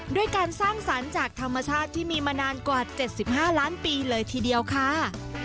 ด้วยการสร้างสรรค์จากธรรมชาติที่มีมานานกว่า๗๕ล้านปีเลยทีเดียวค่ะ